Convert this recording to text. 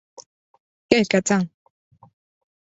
Quelle catin!